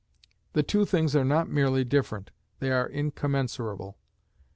The two things are not merely different, they are incommensurable.